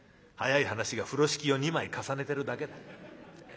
早い話が風呂敷を２枚重ねてるだけだ。